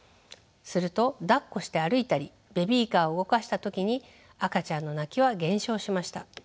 するとだっこして歩いたりベビーカーを動かした時に赤ちゃんの泣きは減少しました。